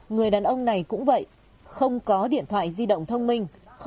người đàn ông này cũng vậy không có điện thoại di động thông minh